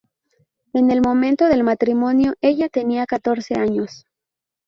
En el momento del matrimonio ella tenía catorce años.